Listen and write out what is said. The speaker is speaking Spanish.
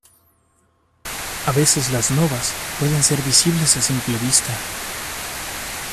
A veces las novas pueden ser visibles a simple vista.